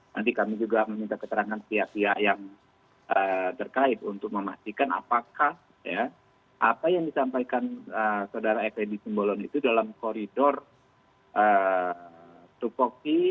nanti kami juga meminta keterangan pihak pihak yang terkait untuk memastikan apakah apa yang disampaikan saudara fnd simbolon itu dalam koridor tupoki